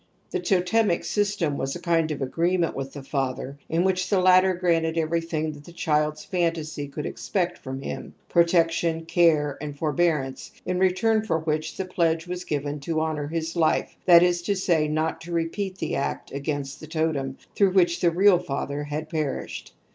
The totemic system was a kind of agreement with the father in which the latter granted m everything that the child's phantasy could expect from him, protection, care, and forbear ance, in return for which the pledge was given to honour his life, that is to say, not to repeat the act against the totem through which the real father had perished.